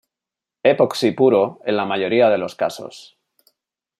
Epoxi Puro en la mayoría de los casos.